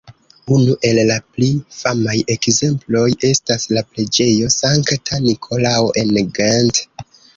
Unu el la pli famaj ekzemploj estas la preĝejo Sankta Nikolao en Gent.